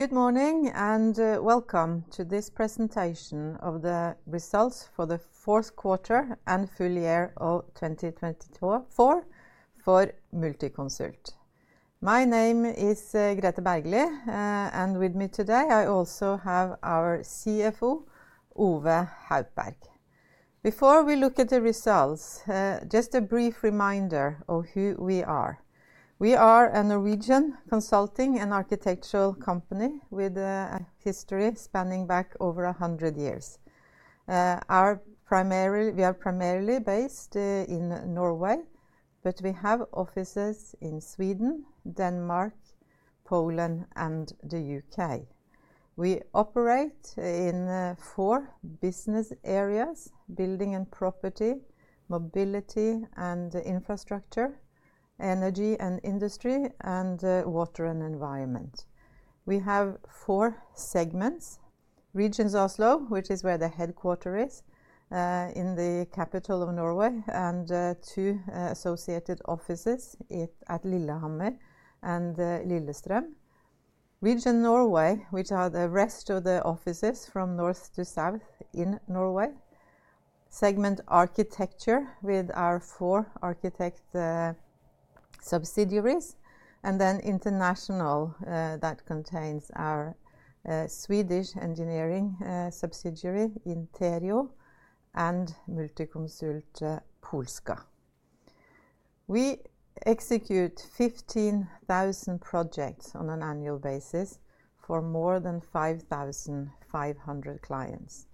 Good morning and welcome to this presentation of the results for the fourth quarter and full year of 2024 for Multiconsult. My name is Grethe Bergly, and with me today I also have our CFO, Ove Haupberg. Before we look at the results, just a brief reminder of who we are. We are a Norwegian consulting and architectural company with a history spanning back over 100 years. We are primarily based in Norway, but we have offices in Sweden, Denmark, Poland, and the U.K. We operate in four business areas: building and property, mobility and infrastructure, energy and industry, and water and environment. We have four segments: Region Oslo, which is where the headquarters is in the capital of Norway, and two associated offices at Lillehammer and Lillestrøm. Region Norway, which has the rest of the offices from north to south in Norway. Segment Architecture with our four architect subsidiaries, and then International that contains our Swedish engineering subsidiary Iterio and Multiconsult Polska. We execute 15,000 projects on an annual basis for more than 5,500 clients.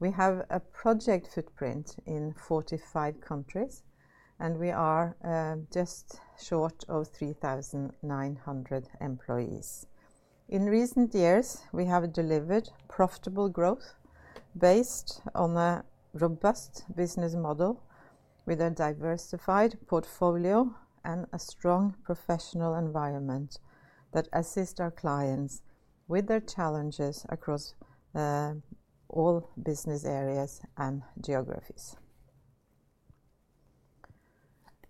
We have a project footprint in 45 countries, and we are just short of 3,900 employees. In recent years, we have delivered profitable growth based on a robust business model with a diversified portfolio and a strong professional environment that assists our clients with their challenges across all business areas and geographies.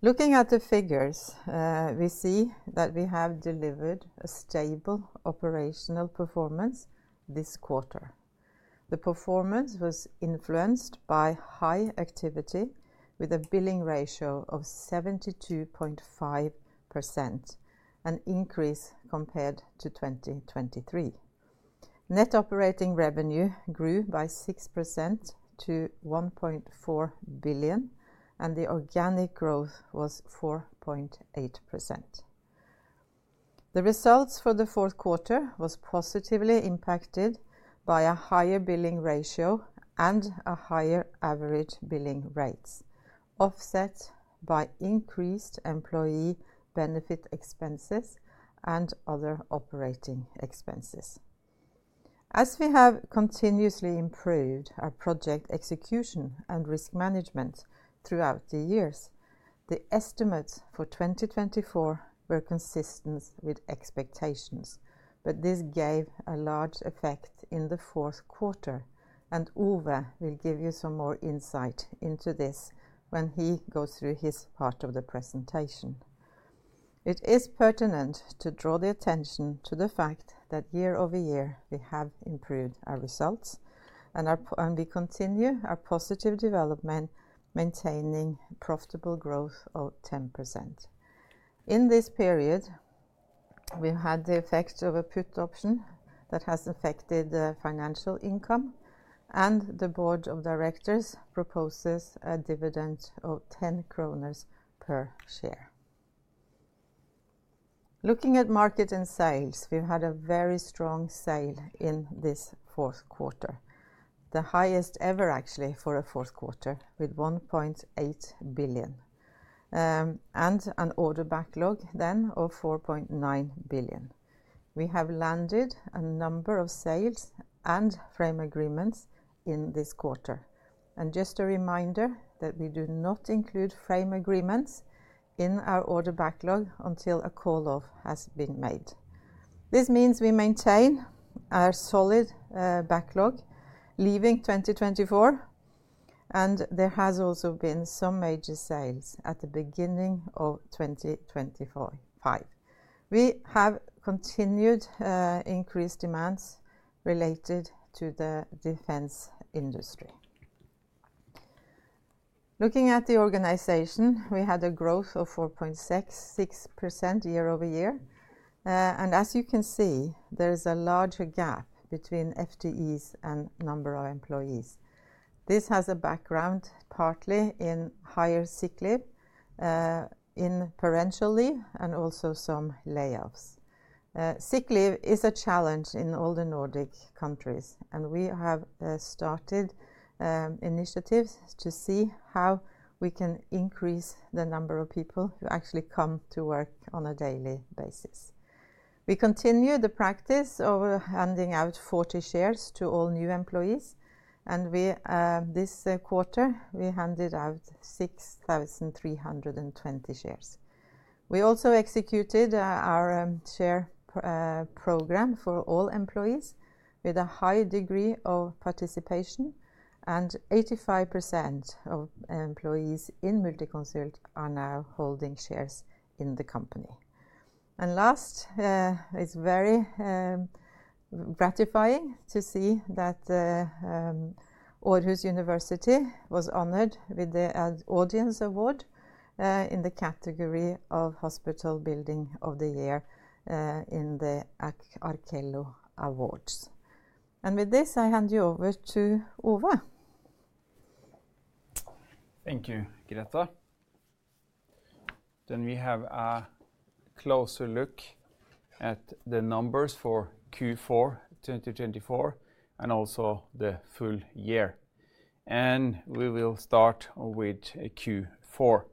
Looking at the figures, we see that we have delivered a stable operational performance this quarter. The performance was influenced by high activity with a billing ratio of 72.5%, an increase compared to 2023. Net operating revenue grew by 6% to 1.4 billion, and the organic growth was 4.8%. The results for the fourth quarter were positively impacted by a higher billing ratio and a higher average billing rates, offset by increased employee benefit expenses and other operating expenses. As we have continuously improved our project execution and risk management throughout the years, the estimates for 2024 were consistent with expectations, but this gave a large effect in the fourth quarter, and Ove will give you some more insight into this when he goes through his part of the presentation. It is pertinent to draw the attention to the fact that year over year we have improved our results, and we continue our positive development, maintaining profitable growth of 10%. In this period, we've had the effect of a put option that has affected financial income, and the board of directors proposes a dividend of 10 kroner per share. Looking at market and sales, we've had a very strong sale in this fourth quarter, the highest ever actually for a fourth quarter with 1.8 billion and an order backlog then of 4.9 billion. We have landed a number of sales and frame agreements in this quarter. And just a reminder that we do not include frame agreements in our order backlog until a call-off has been made. This means we maintain our solid backlog, leaving 2024, and there has also been some major sales at the beginning of 2025. We have continued increased demands related to the defense industry. Looking at the organization, we had a growth of 4.66% year over year, and as you can see, there is a larger gap between FTEs and number of employees. This has a background partly in higher sick leave, in parental leave, and also some layoffs. Sick leave is a challenge in all the Nordic countries, and we have started initiatives to see how we can increase the number of people who actually come to work on a daily basis. We continue the practice of handing out 40 shares to all new employees, and this quarter we handed out 6,320 shares. We also executed our share program for all employees with a high degree of participation, and 85% of employees in Multiconsult are now holding shares in the company. And last, it's very gratifying to see that Aarhus University was honored with the Audience Award in the category of Hospital Building of the Year in the Archello Awards. And with this, I hand you over to Ove. Thank you, Grethe. Then we have a closer look at the numbers for Q4 2024 and also the full year. And we will start with Q4.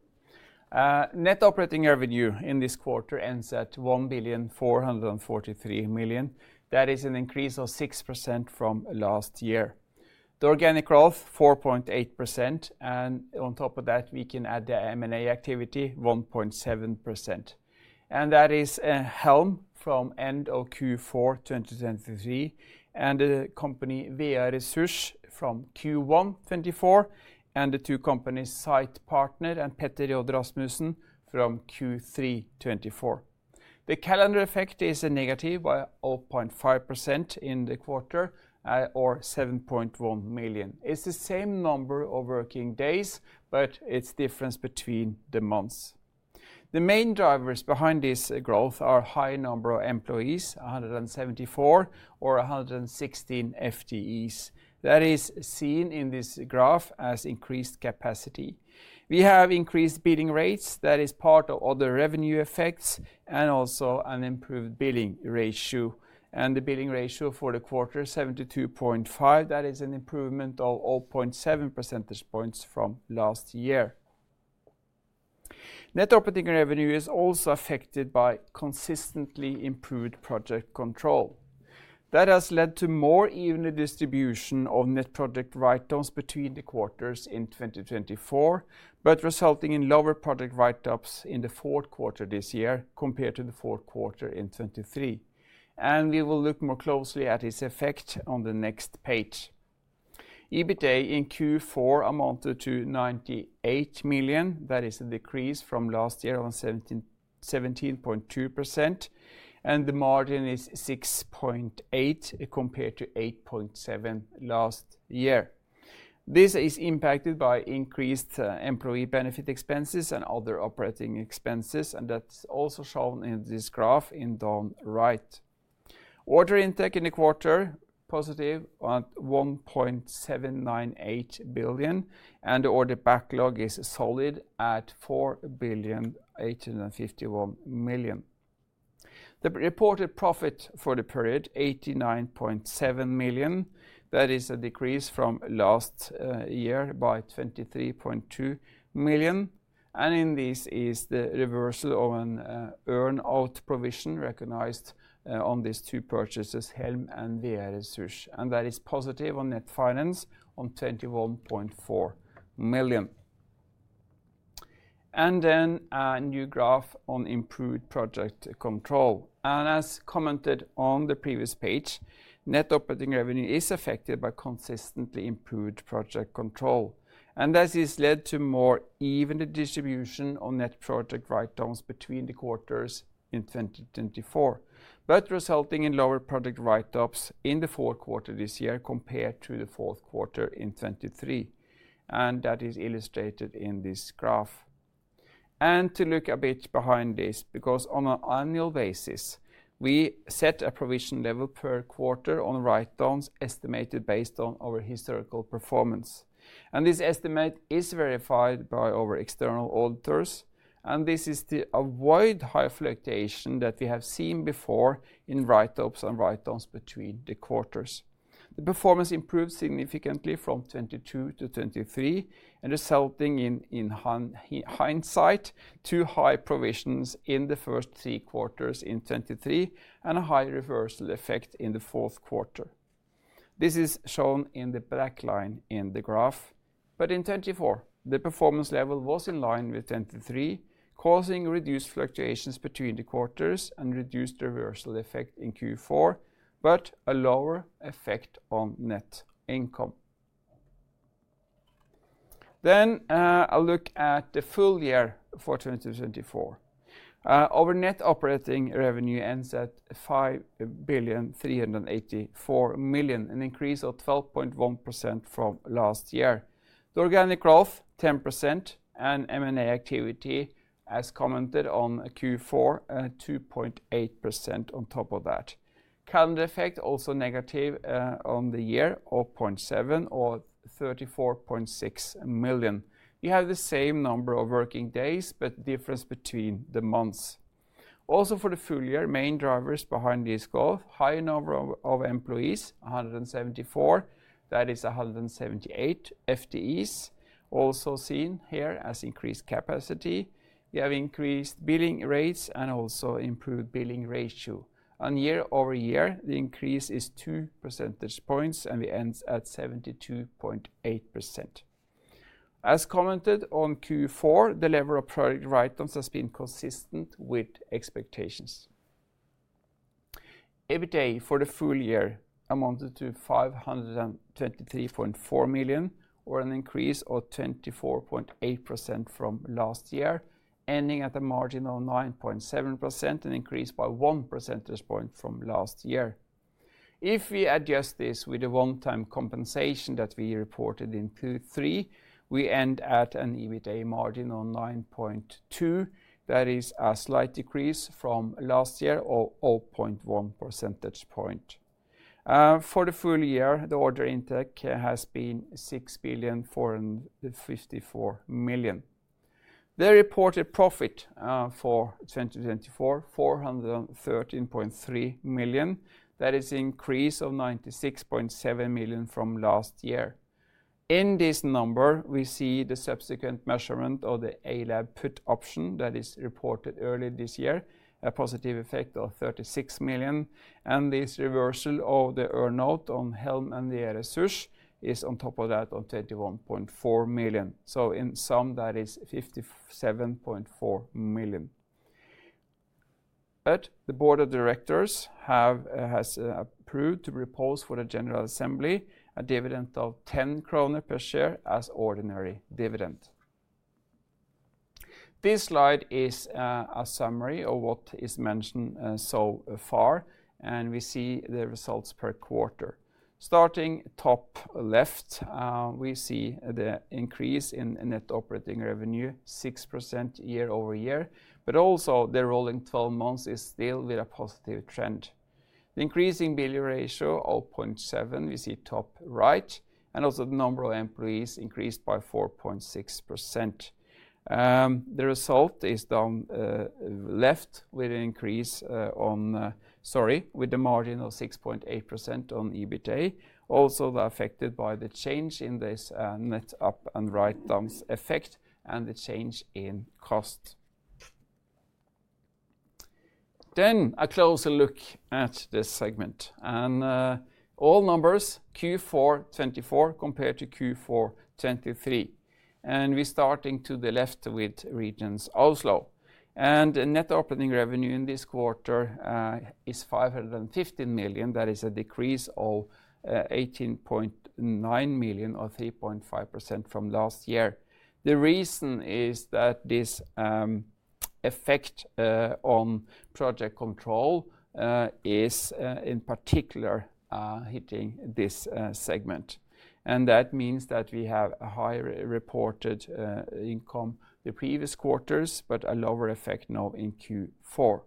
Net operating revenue in this quarter ends at 1,443 million. That is an increase of 6% from last year. The organic growth is 4.8%, and on top of that, we can add the M&A activity of 1.7%. And that is Helm from end of Q4 2023, and the company VA-Resurs from Q1 2024, and the two companies Sitepartner and Petter J. Rasmussen from Q3 2024. The calendar effect is a negative by 0.5% in the quarter, or 7.1 million. It's the same number of working days, but it's the difference between the months. The main drivers behind this growth are a high number of employees, 174 or 116 FTEs. That is seen in this graph as increased capacity. We have increased billing rates. That is part of other revenue effects and also an improved billing ratio. The billing ratio for the quarter is 72.5%. That is an improvement of 0.7 percentage points from last year. Net operating revenue is also affected by consistently improved project control. That has led to more even distribution of net project write-offs between the quarters in 2024, but resulting in lower project write-offs in the fourth quarter this year compared to the fourth quarter in 2023. We will look more closely at its effect on the next page. EBITDA in Q4 amounted to 98 million. That is a decrease from last year of 17.2%, and the margin is 6.8% compared to 8.7% last year. This is impacted by increased employee benefit expenses and other operating expenses, and that's also shown in this graph in the right. Order intake in the quarter is positive at 1.798 billion, and the order backlog is solid at 4,851 million. The reported profit for the period is 89.7 million. That is a decrease from last year by 23.2 million, and in this is the reversal of an earn-out provision recognized on these two purchases, Helm and VA-Resurs. And that is positive on net finance of 21.4 million, and then a new graph on improved project control. And as commented on the previous page, net operating revenue is affected by consistently improved project control. And that has led to more even distribution on net project write-offs between the quarters in 2024, but resulting in lower project write-offs in the fourth quarter this year compared to the fourth quarter in 2023. And that is illustrated in this graph. To look a bit behind this, because on an annual basis, we set a provision level per quarter on write-offs estimated based on our historical performance. This estimate is verified by our external auditors. This is to avoid high fluctuation that we have seen before in write-offs between the quarters. The performance improved significantly from 2022 to 2023, resulting in, in hindsight, too high provisions in the first three quarters in 2023 and a high reversal effect in the fourth quarter. This is shown in the black line in the graph. In 2024, the performance level was in line with 2023, causing reduced fluctuations between the quarters and reduced reversal effect in Q4, but a lower effect on net income. I'll look at the full year for 2024. Our net operating revenue ends at 5,384 million NOK, an increase of 12.1% from last year. The organic growth is 10%, and M&A activity, as commented on Q4, is 2.8% on top of that. Calendar effect is also negative on the year, 0.7% or 34.6 million NOK. We have the same number of working days, but the difference between the months. Also for the full year, main drivers behind this growth are a high number of employees, 174. That is 178 FTEs, also seen here as increased capacity. We have increased billing rates and also improved billing ratio, and year over year, the increase is 2 percentage points, and we end at 72.8%. As commented on Q4, the level of project write-offs has been consistent with expectations. EBITDA for the full year amounted to 523.4 million, or an increase of 24.8% from last year, ending at a margin of 9.7%, an increase by 1 percentage point from last year. If we adjust this with the one-time compensation that we reported in Q3, we end at an EBITDA margin of 9.2%. That is a slight decrease from last year of 0.1 percentage point. For the full year, the order intake has been 6,454 million. The reported profit for 2024 is 413.3 million. That is an increase of 96.7 million from last year. In this number, we see the subsequent measurement of the A-lab put option that is reported early this year, a positive effect of 36 million. And this reversal of the earn-out on Helm and VA-Resurs is on top of that of 21.4 million. So in sum, that is 57.4 million. But the board of directors has approved to propose for the General Assembly a dividend of 10 kroner per share as ordinary dividend. This slide is a summary of what is mentioned so far, and we see the results per quarter. Starting top left, we see the increase in net operating revenue, 6% year over year, but also the rolling 12 months is still with a positive trend. The increasing billing ratio of 0.7, we see top right, and also the number of employees increased by 4.6%. The result is down left with an increase on, sorry, with the margin of 6.8% on EBITDA. Also affected by the change in this net up and write-down effect and the change in cost. Then a closer look at this segment. And all numbers Q4 2024 compared to Q4 2023. And we're starting to the left with regions Oslo. Net operating revenue in this quarter is 515 million. That is a decrease of 18.9 million or 3.5% from last year. The reason is that this effect on project control is in particular hitting this segment. And that means that we have a higher reported income the previous quarters, but a lower effect now in Q4.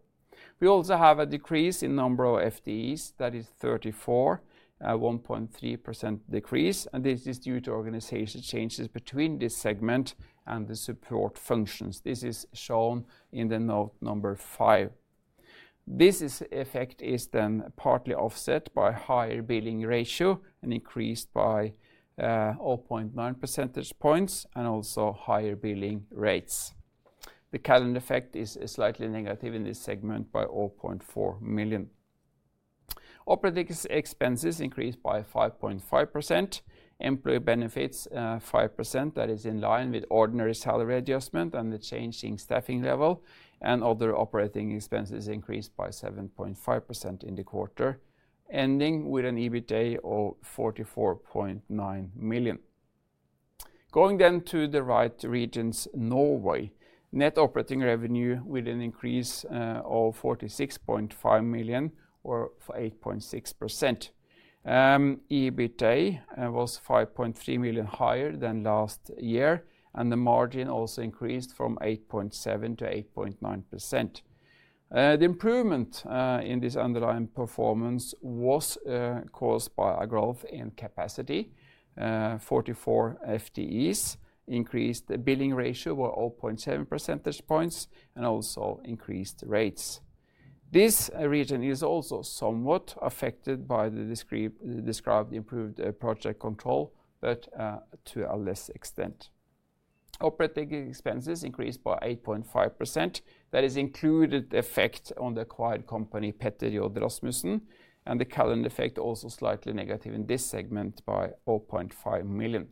We also have a decrease in number of FTEs. That is 34, a 1.3% decrease. And this is due to organizational changes between this segment and the support functions. This is shown in the note number five. This effect is then partly offset by a higher billing ratio and increased by 0.9 percentage points and also higher billing rates. The calendar effect is slightly negative in this segment by 0.4 million. Operating expenses increased by 5.5%. Employee benefits 5%. That is in line with ordinary salary adjustment and the changing staffing level. Other operating expenses increased by 7.5% in the quarter, ending with an EBITDA of 44.9 million. Going then to the right, regions: Norway, net operating revenue with an increase of 46.5 million or 8.6%. EBITDA was 5.3 million higher than last year, and the margin also increased from 8.7% to 8.9%. The improvement in this underlying performance was caused by a growth in capacity, 44 FTEs, increased the billing ratio by 0.7 percentage points, and also increased rates. This region is also somewhat affected by the described improved project control, but to a less extent. Operating expenses increased by 8.5%. That is included the effect on the acquired company Petteri Rasmussen. And the calendar effect also slightly negative in this segment by 0.5 million.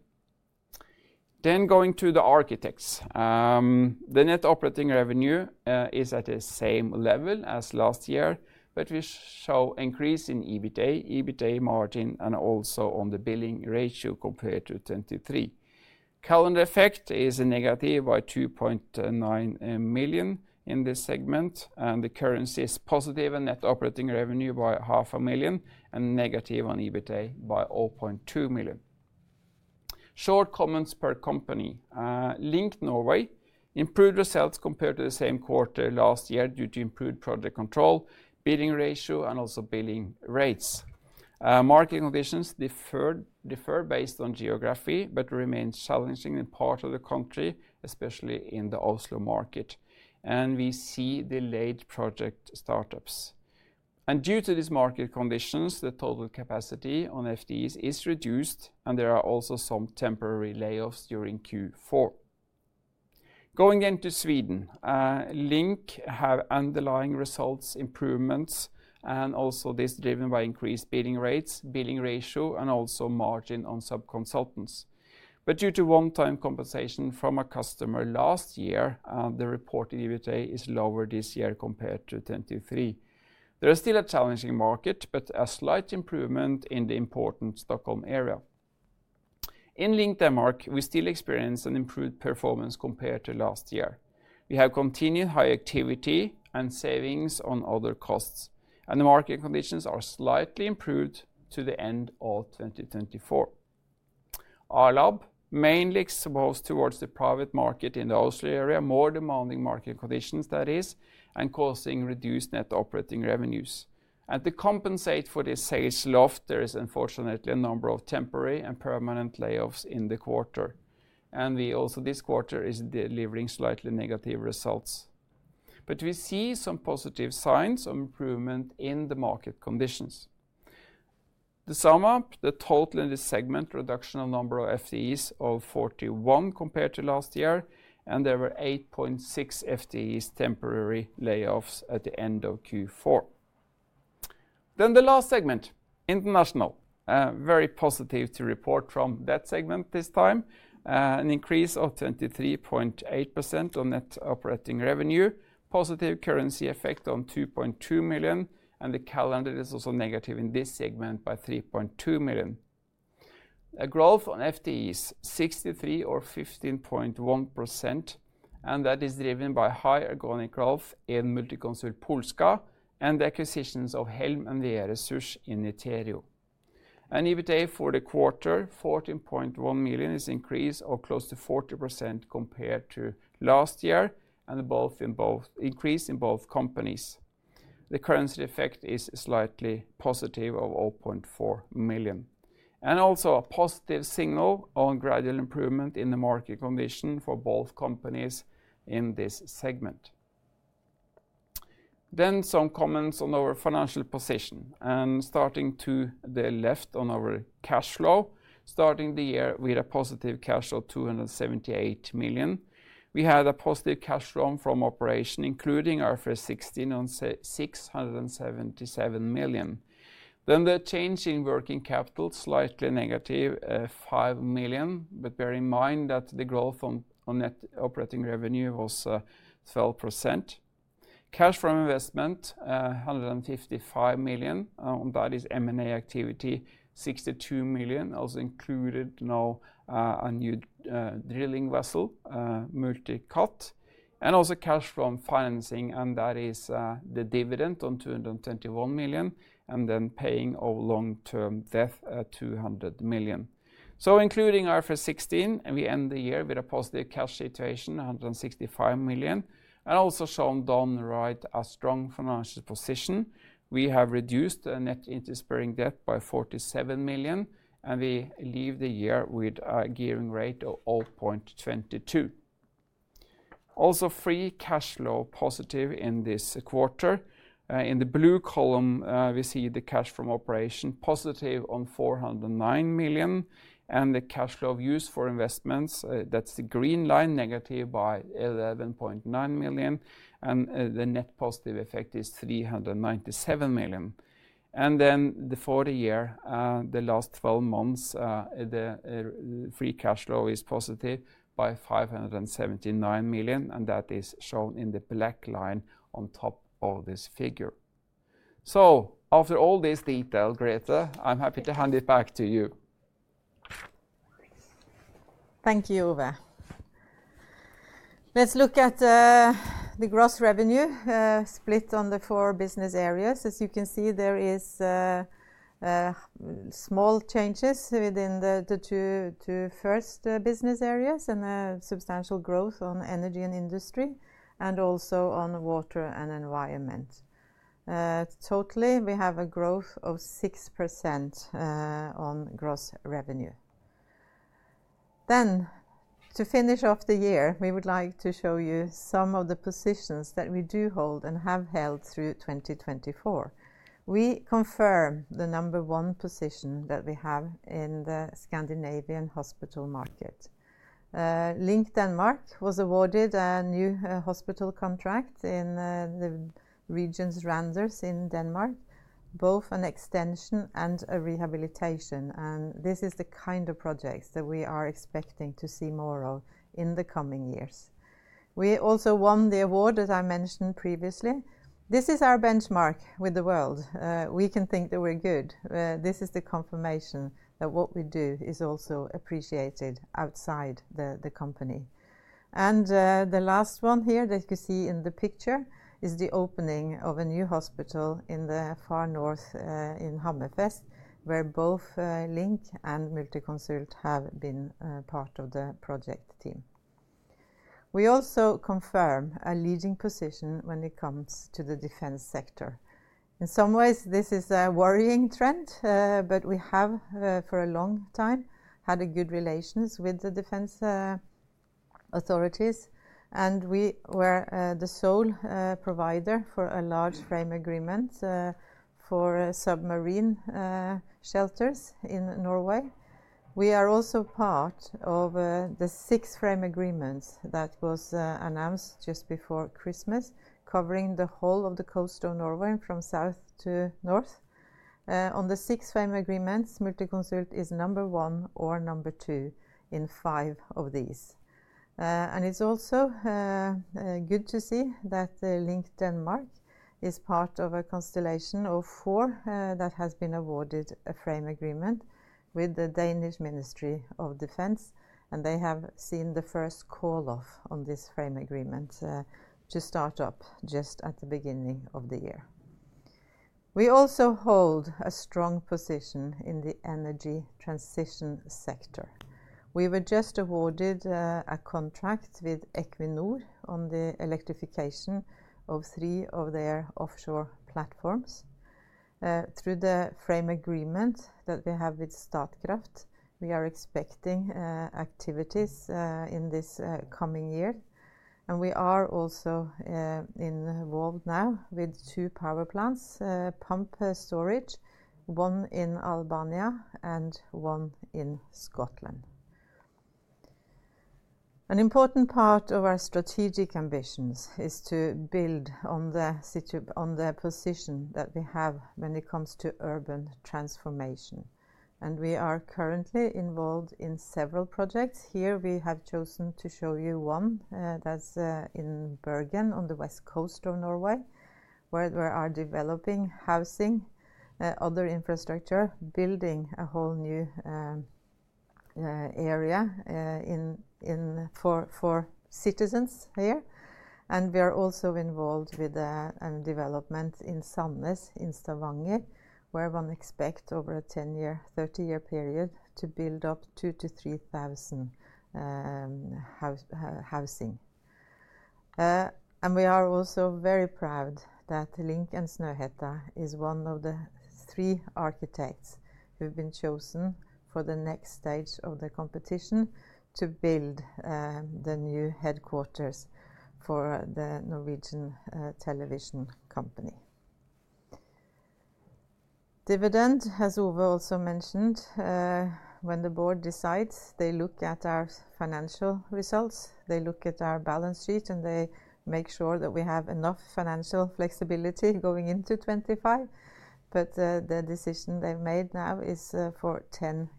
Then going to the architects, the net operating revenue is at the same level as last year, but we show an increase in EBITDA, EBITDA margin, and also on the billing ratio compared to 2023. Calendar effect is negative by 2.9 million in this segment. The currency is positive on net operating revenue by 0.5 million and negative on EBITDA by 0.2 million. Short comments per company. LINK Norway improved results compared to the same quarter last year due to improved project control, billing ratio, and also billing rates. Market conditions differ based on geography, but remain challenging in part of the country, especially in the Oslo market. We see delayed project startups. Due to these market conditions, the total capacity on FTEs is reduced, and there are also some temporary layoffs during Q4. Going into Sweden, LINK has underlying results improvements, and also this driven by increased billing rates, billing ratio, and also margin on subconsultants, but due to one-time compensation from a customer last year, the reported EBITDA is lower this year compared to 2023. There is still a challenging market, but a slight improvement in the important Stockholm area. In LINK Denmark, we still experience an improved performance compared to last year. We have continued high activity and savings on other costs, and the market conditions are slightly improved to the end of 2024. A-lab mainly exposed towards the private market in the Oslo area, more demanding market conditions, that is, and causing reduced net operating revenues, and to compensate for this sales drop, there is unfortunately a number of temporary and permanent layoffs in the quarter, and we also this quarter is delivering slightly negative results. But we see some positive signs of improvement in the market conditions. To sum up, the total in this segment reduction of number of FTEs of 41 compared to last year, and there were 8.6 FTEs temporary layoffs at the end of Q4. Then the last segment, international, very positive to report from that segment this time. An increase of 23.8% on net operating revenue, positive currency effect on 2.2 million. And the calendar is also negative in this segment by 3.2 million. A growth on FTEs, 63 or 15.1%. And that is driven by high organic growth in Multiconsult Polska and the acquisitions of Helm and VA-Resurs in Iterio. And EBITDA for the quarter, 14.1 million, is increased or close to 40% compared to last year. And both increased in both companies. The currency effect is slightly positive of 0.4 million. And also a positive signal on gradual improvement in the market condition for both companies in this segment. Then some comments on our financial position. And starting to the left on our cash flow, starting the year with a positive cash flow of 278 million. We had a positive cash flow from operation, including IFRS 16 of 677 million. Then the change in working capital, slightly negative, 5 million. But bear in mind that the growth on net operating revenue was 12%. Cash from investment, 155 million. And that is M&A activity, 62 million. Also included now a new drilling vessel, Multi Cat. And also cash from financing. And that is the dividend of 221 million. And then paying of long-term debt, 200 million. So including IFRS 16, and we end the year with a positive cash position, 165 million. And also shown downright a strong financial position. We have reduced the net interest-bearing debt by 47 million, and we leave the year with a gearing rate of 0.22. We are also free cash flow positive in this quarter. In the blue column, we see the cash from operation positive on 409 million, and the cash flow of use for investments, that's the green line, negative by 11.9 million. And the net positive effect is 397 million, and then the fourth year, the last 12 months, the free cash flow is positive by 579 million. And that is shown in the black line on top of this figure. So after all this detail, Grethe, I'm happy to hand it back to you. Thank you, Ove. Let's look at the gross revenue split on the four business areas. As you can see, there are small changes within the two first business areas and a substantial growth on energy and industry, and also on water and environment. Totally, we have a growth of 6% on gross revenue, then to finish off the year, we would like to show you some of the positions that we do hold and have held through 2024. We confirm the number one position that we have in the Scandinavian hospital market. LINK Denmark was awarded a new hospital contract in the region Randers in Denmark, both an extension and a rehabilitation, and this is the kind of projects that we are expecting to see more of in the coming years. We also won the award, as I mentioned previously. This is our benchmark with the world. We can think that we're good. This is the confirmation that what we do is also appreciated outside the company, and the last one here that you see in the picture is the opening of a new hospital in the far north in Hammerfest, where both LINK and Multiconsult have been part of the project team. We also confirm a leading position when it comes to the defense sector. In some ways, this is a worrying trend, but we have for a long time had good relations with the defense authorities, and we were the sole provider for a large frame agreement for submarine shelters in Norway. We are also part of the six frame agreements that was announced just before Christmas, covering the whole of the coast of Norway from south to north. On the six frame agreements, Multiconsult is number one or number two in five of these. It's also good to see that LINK Denmark is part of a constellation of four that has been awarded a frame agreement with the Danish Ministry of Defence. They have seen the first call-off on this frame agreement to start up just at the beginning of the year. We also hold a strong position in the energy transition sector. We were just awarded a contract with Equinor on the electrification of three of their offshore platforms. Through the frame agreement that we have with Statkraft, we are expecting activities in this coming year. We are also involved now with two power plants, pumped storage, one in Albania and one in Scotland. An important part of our strategic ambitions is to build on the position that we have when it comes to urban transformation. We are currently involved in several projects. Here we have chosen to show you one that's in Bergen on the west coast of Norway, where we are developing housing, other infrastructure, building a whole new area for citizens here, and we are also involved with a development in Sandnes in Stavanger, where one expects over a 10-year, 30-year period to build up 2,000-3,000 housing. And we are also very proud that LINK and Snøhetta is one of the three architects who have been chosen for the next stage of the competition to build the new headquarters for the Norwegian television company. Dividend, as Ove also mentioned, when the board decides, they look at our financial results, they look at our balance sheet, and they make sure that we have enough financial flexibility going into 2025, but the decision they've made now is for 10 kroner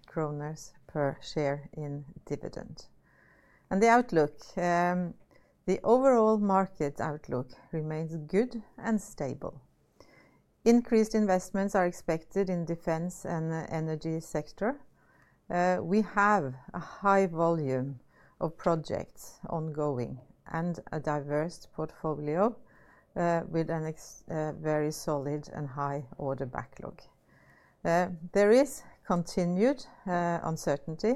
per share in dividend. The outlook, the overall market outlook remains good and stable. Increased investments are expected in the defense and energy sector. We have a high volume of projects ongoing and a diverse portfolio with a very solid and high order backlog. There is continued uncertainty,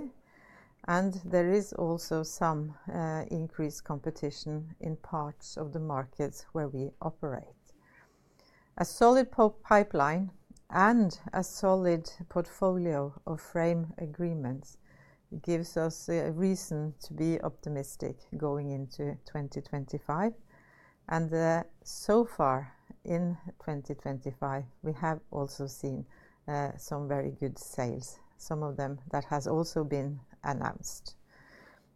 and there is also some increased competition in parts of the markets where we operate. A solid pipeline and a solid portfolio of frame agreements gives us a reason to be optimistic going into 2025. So far in 2025, we have also seen some very good sales, some of them that have also been announced.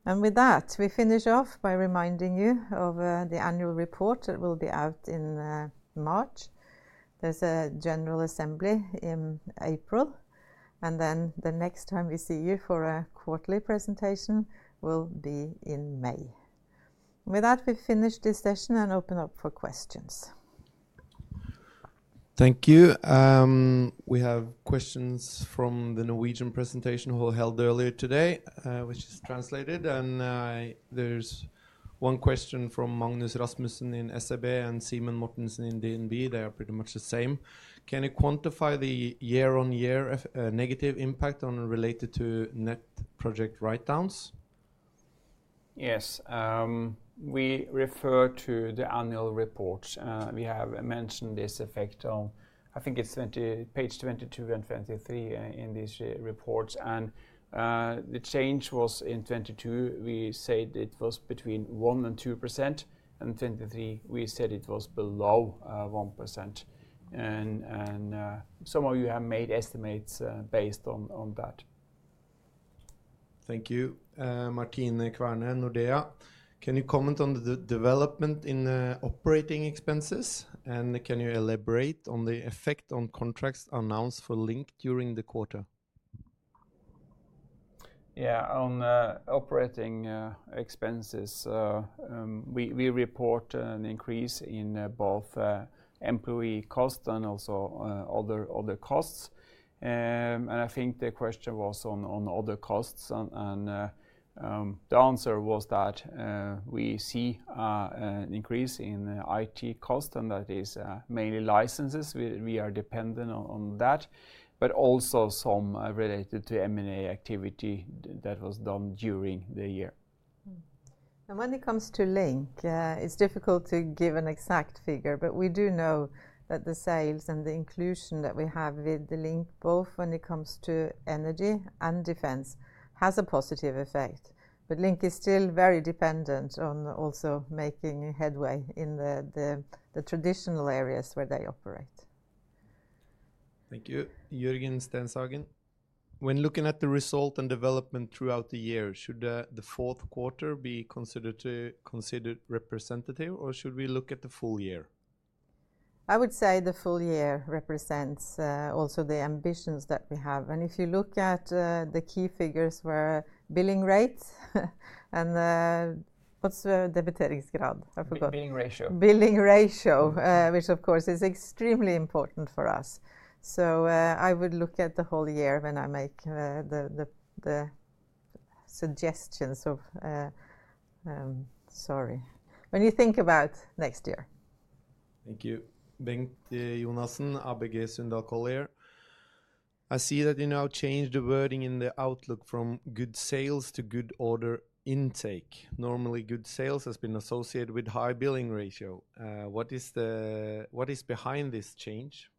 With that, we finish off by reminding you of the annual report that will be out in March. There's a general assembly in April. Then the next time we see you for a quarterly presentation will be in May. With that, we finish this session and open up for questions. Thank you. We have questions from the Norwegian presentation held earlier today, which is translated, and there's one question from Magnus Rasmussen in SEB and Simen Mortensen in DNB. They are pretty much the same. Can you quantify the year-on-year negative impact related to net project write-downs? Yes. We refer to the annual reports. We have mentioned this effect on, I think it's page 22 and 23 in these reports, and the change was in 2022, we said it was between 1%-2%, and in 2023, we said it was below 1%, and some of you have made estimates based on that. Thank you. Martine Kverne, Nordea. Can you comment on the development in operating expenses? And can you elaborate on the effect on contracts announced for LINK during the quarter? Yeah, on operating expenses, we report an increase in both employee costs and also other costs. And I think the question was on other costs. And the answer was that we see an increase in IT costs, and that is mainly licenses. We are dependent on that, but also some related to M&A activity that was done during the year. And when it comes to Link, it's difficult to give an exact figure, but we do know that the sales and the inclusion that we have with the Link, both when it comes to energy and defense, has a positive effect. But Link is still very dependent on also making headway in the traditional areas where they operate. Thank you. Jørgen Stenshagen. When looking at the result and development throughout the year, should the fourth quarter be considered representative, or should we look at the full year? I would say the full year represents also the ambitions that we have. If you look at the key figures where billing rate and what's the debtor days? I forgot. The billing ratio. Billing ratio, which of course is extremely important for us. I would look at the whole year when I make the suggestions of, sorry, when you think about next year. Thank you. Bengt Jonassen, ABG Sundal Collier. I see that you now changed the wording in the outlook from good sales to good order intake. Normally, good sales has been associated with high billing ratio. What is behind this change?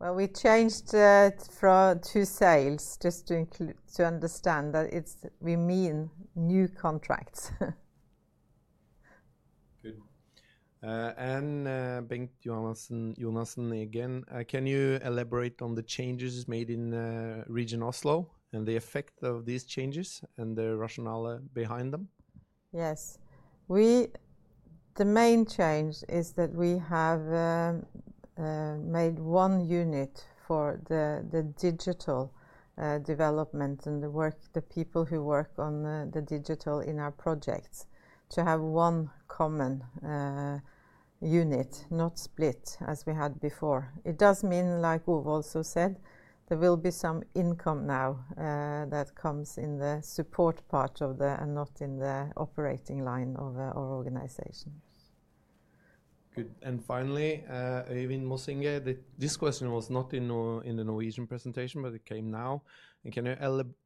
Well, we changed it from good sales just to understand that we mean new contracts. Good. Bengt Jonassen again, can you elaborate on the changes made in Region Oslo and the effect of these changes and the rationale behind them? Yes. The main change is that we have made one unit for the digital development and the work, the people who work on the digital in our projects, to have one common unit, not split as we had before. It does mean, like Ove also said, there will be some income now that comes in the support part of the and not in the operating line of our organization. Good. And finally, Øyvind Mossige, this question was not in the Norwegian presentation, but it came now. And can you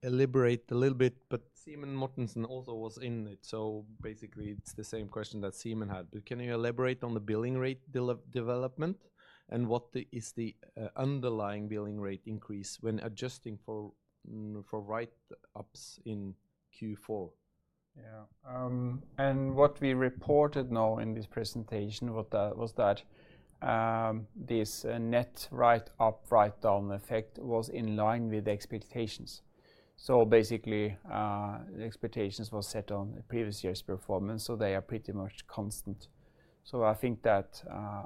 elaborate a little bit? But Simen Mortensen also was in it. So basically, it's the same question that Simon had. But can you elaborate on the billing rate development and what is the underlying billing rate increase when adjusting for write-ups in Q4? Yeah. And what we reported now in this presentation was that this net write-up, write-down effect was in line with expectations. So basically, the expectations were set on previous year's performance, so they are pretty much constant. So I think that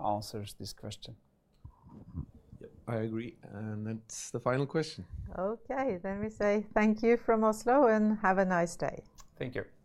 answers this question. I agree. And that's the final question. Okay. Then we say thank you from Oslo and have a nice day. Thank you.